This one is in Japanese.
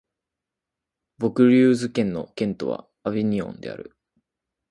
ヴォクリューズ県の県都はアヴィニョンである